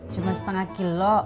cuma setengah kilo